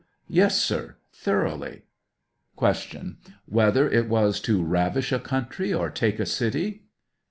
Yes, sir; thoroughly. Q. Whether it was to ravish a country or take a city?